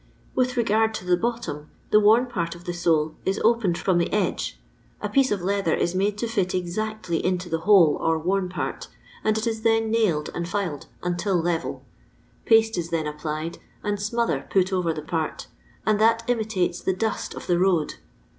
With regard to the bottoms, the worn part of the sole is opened bom the edoe, a piece of leather is made to fit exactly into Ue hole or worn part, and it is then nailed and filed uut 1 level. Paste is then applied, and ' smother' put over the part, and that imitates the dust of the road.